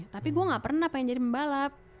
tapi gue gak pernah pengen jadi pembalap